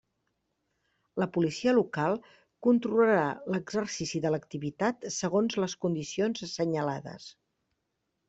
La Policia Local controlarà l'exercici de l'activitat segons les condicions assenyalades.